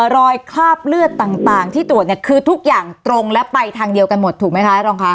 คราบเลือดต่างที่ตรวจเนี่ยคือทุกอย่างตรงและไปทางเดียวกันหมดถูกไหมคะรองค่ะ